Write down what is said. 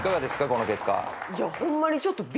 この結果。